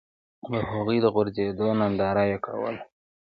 د هغوی د غورځېدو ننداره یې کوله.